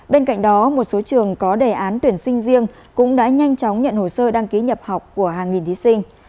bên cạnh đó một số trường có đề án tuyển sinh riêng cũng đã nhanh chóng nhận hồ sơ đăng ký nhập học của hàng nghìn thí sinh